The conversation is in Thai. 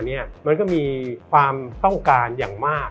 มันก็มีความต้องการอย่างมาก